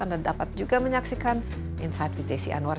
anda dapat juga menyaksikan insight vtc anwar